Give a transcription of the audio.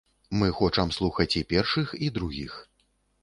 Мы хочам слухаць і першых і другіх.